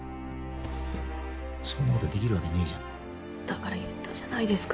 そんなことできるわけねえじゃんだから言ったじゃないですか